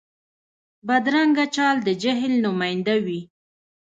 بدرنګه چال د جهل نماینده وي